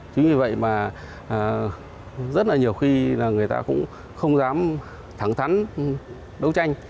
chính vì vậy mà rất là nhiều khi là người ta cũng không dám thẳng thắn đấu tranh